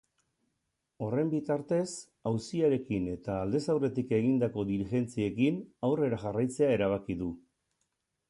Horren bitartez, auziarekin eta aldez aurretik egindako diligentziekin aurrera jarraitzea erabaki du.